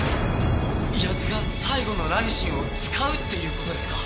谷津が最後のラニシンを使うっていう事ですか？